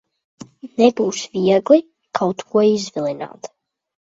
Nebūs viegli kaut ko izvilināt.